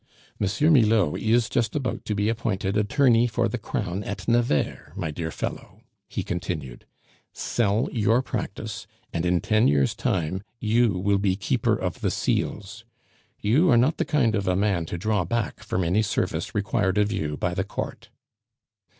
"M. Milaud is just about to be appointed attorney for the crown at Nevers, my dear fellow," he continued; "sell your practice, and in ten years' time you will be Keeper of the Seals. You are not the kind of a man to draw back from any service required of you by the Court."